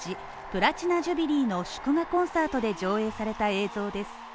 プラチナ・ジュビリーの祝賀コンサートで上映された映像です。